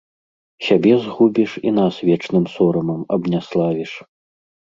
Сябе згубіш і нас вечным сорамам абняславіш.